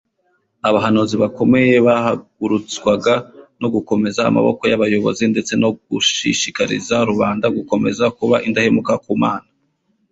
abahanuzi bakomeye bahagurutswaga no gukomeza amaboko y'abayobozi ndetse no gushishikariza rubanda gukomeza kuba indahemuka ku mana